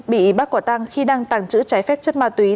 bị bắt quả tăng khi đang tàng trữ trái phép chất ma túy